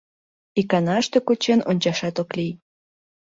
— Иканаште кучен ончашат ок лий...